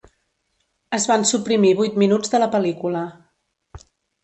Es van suprimir vuit minuts de la pel·lícula.